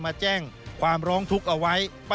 ส่วนต่างกระโบนการ